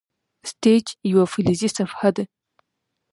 سټیج یوه فلزي صفحه ده.